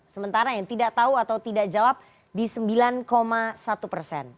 sementara yang tidak tahu atau tidak jawab di sembilan satu persen